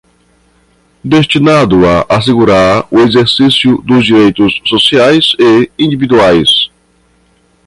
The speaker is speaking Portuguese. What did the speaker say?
destinado a assegurar o exercício dos direitos sociais e individuais